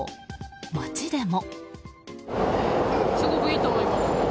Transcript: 街でも。